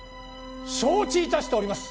承知いたしております！